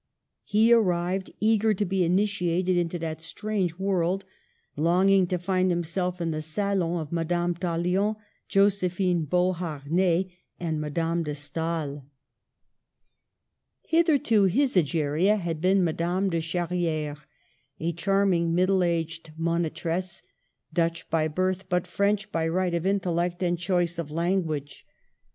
He arrived, eager to be initiated into that strange world ; longing to find himself in the salons of Madame Tallien, Josephine Beauharnais aij<* Madame d§ Stael. Digitized by VjOOQIC 86 MADAME DE STA&L. Hitherto his Egeria had been Madame de Charri&re, a charming middle aged monitress, Dutch by birth, but French by right of intellect and choice of language.